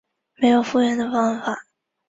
没有复原的方法